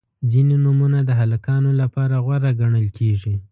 • ځینې نومونه د هلکانو لپاره غوره ګڼل کیږي.